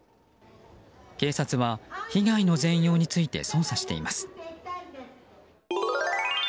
警察は、被害の全容について捜査しています。